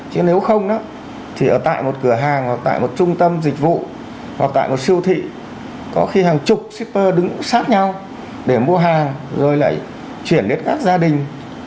chứ nếu không thì ở tại một cửa hàng hoặc tại một trung tâm dịch vụ hoặc tại một siêu thị có khi hàng chục shipper đứng sát nhau để mua hàng rồi lại chuyển đến các gia đình